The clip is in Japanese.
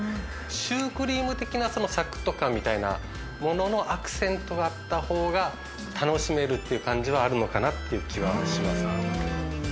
シュークリーム的なサクっと感というアクセントがあったほうが楽しめるという感じはあるのかなという気がします。